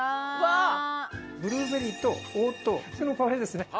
ブルーベリーと黄桃それのパフェですね。